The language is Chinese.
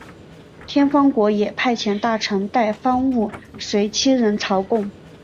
天方国也派遣大臣带方物随七人朝贡。